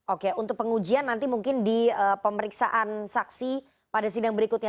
oke untuk pengujian nanti mungkin di pemeriksaan saksi pada sidang berikutnya